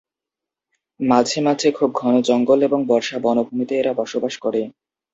মাঝে মাঝে খুব ঘন জঙ্গল এবং বর্ষা বনভূমিতে এরা বসবাস করে।